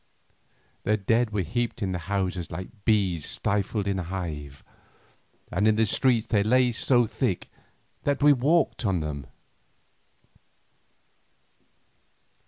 The dead were heaped in the houses like bees stifled in a hive, and in the streets they lay so thick that we walked upon them.